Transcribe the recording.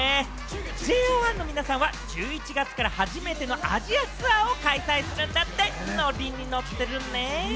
ＪＯ１の皆さんは１１月から初めてのアジアツアーを開催するんだって、ノリにノってるね。